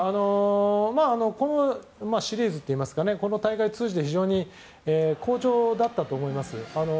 このシリーズといいますかこの大会を通じて非常に好調だったと思います。